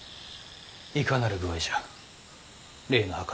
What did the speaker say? いかなる具合じゃ例の謀は。